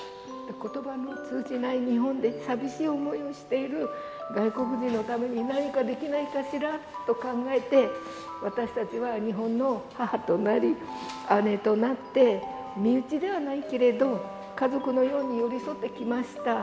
ことばの通じない日本で寂しい思いをしている外国人のために何かできないかしらと考えて、私たちは日本の母となり、姉となって、身内ではないけれど、家族のように寄り添ってきました。